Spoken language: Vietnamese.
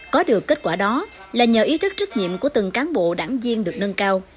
có được kết quả đó là nhờ ý thức trách nhiệm của từng cán bộ đảng viên được nâng cao